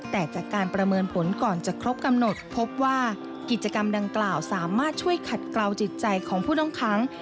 แต่จากการประเมินผลก่อนจะครบกำหนดพบว่ากิจกรรมดังกล่าวสามารถช่วยขัดกล่าวจิตใจของผู้ต้องค้าง